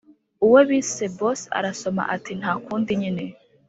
uwo bise boss arasoma ati ntakundi nyine